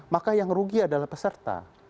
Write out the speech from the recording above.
maka yang rugi adalah peserta